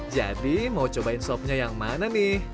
jadi mau cobain sopnya yang mana nih